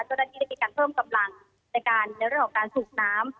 ก็ได้มีการเพิ่มกำลังในเรื่องของการสูบน้ำ